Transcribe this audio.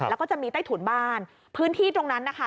แล้วก็จะมีใต้ถุนบ้านพื้นที่ตรงนั้นนะคะ